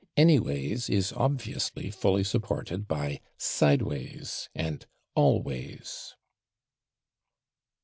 /Anyways/ is obviously fully supported by /sideways/ and /always